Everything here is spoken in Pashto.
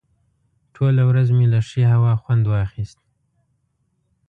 ټوله ورځ مې له ښې هوا خوند واخیست.